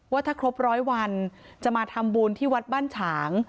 ว่าถ้าครบร้อยวันจะมาทำบุญที่วัดบ้านฉาง